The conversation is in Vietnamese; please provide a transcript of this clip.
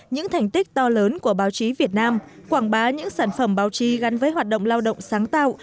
những thành tích to lớn của báo chí việt nam quảng bá những sản phẩm báo chí gắn với hoạt động lao động sáng tạo